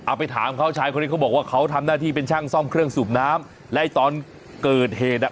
ไปถามเขาชายคนนี้เขาบอกว่าเขาทำหน้าที่เป็นช่างซ่อมเครื่องสูบน้ำและตอนเกิดเหตุอ่ะ